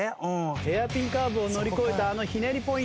ヘアピンカーブを乗り越えたあのひねりポイント。